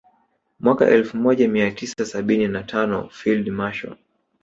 Mwaka elfu moja mia tisa sabini na tano Field Marshal